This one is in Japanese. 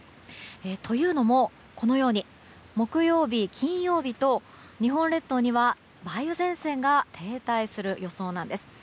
というのも木曜日、金曜日と日本列島には、梅雨前線が停滞する予想なんです。